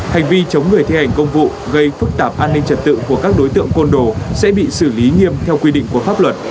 hành vi chống người thi hành công vụ gây phức tạp an ninh trật tự của các đối tượng côn đồ sẽ bị xử lý nghiêm theo quy định của pháp luật